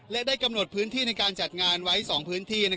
และได้กำหนดพื้นที่ในการจัดงานไว้๒พื้นที่